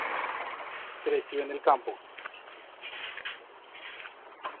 Creció en el campo.